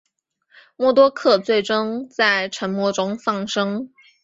默多克最终在沉没中丧生。